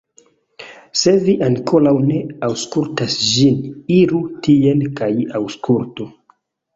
Se vi ankoraŭ ne aŭskultas ĝin, iru tien kaj aŭskultu!